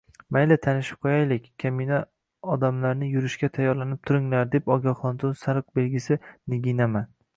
-Mayli, tanishib qo’yaylik, kamina odamlarni “Yurishga tayyorlanib turinglar!” deb ogohlantiruvchi sariq belgisi — Niginaman.